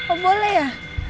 oh boleh ya